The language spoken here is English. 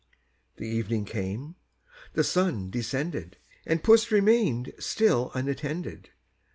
The evening came, the sun descended, And Puss remain'd still unattended.